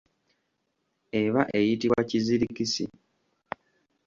Eba eyitibwa kizirikisi.